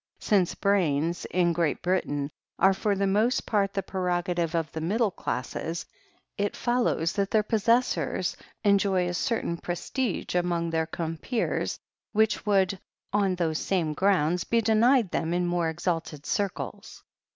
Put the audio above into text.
Since brains, in Great Britain, are for the most part the prerogative of the middle classes, it follows that their possessors enjoy a certain prestige among their compeers which would, on those same grounds, be denied them in more exalted circles.